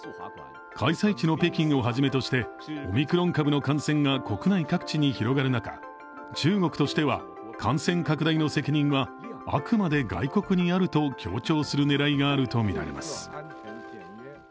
開催地の北京をはじめとして、オミクロン株の感染が国内各地に広がる中、中国としては感染拡大の責任はあくまで外国にあると強調する狙いがあるとみられます。